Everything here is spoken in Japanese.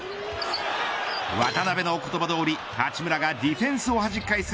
渡邊の言葉どおり、八村がディフェンスをはじき返す